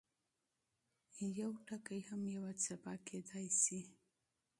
یو توری هم یوه څپه کېدای شي.